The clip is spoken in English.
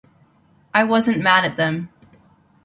I wasn't mad at them.